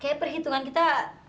kayaknya perhitungan kita